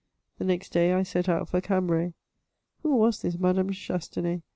The next day I set out for Cambray. Who was this Madame de Chastenay?